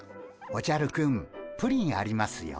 おじゃるくんプリンありますよ。